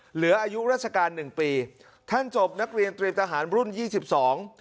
เหลืออายุราชการ๑ปีท่านจบนักเรียนเตรียมทหารรุ่น๒๒